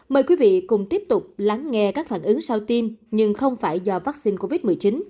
mời quý vị cùng tiếp tục lắng nghe các phản ứng sau tiêm nhưng không phải do vaccine covid một mươi chín